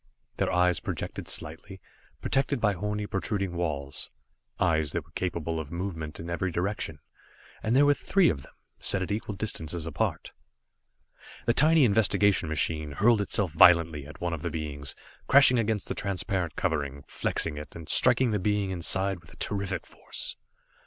Their eyes projected slightly, protected by horny protruding walls eyes that were capable of movement in every direction and there were three of them, set at equal distances apart. The tiny investigation machine hurled itself violently at one of the beings, crashing against the transparent covering, flexing it, and striking the being inside with terrific force.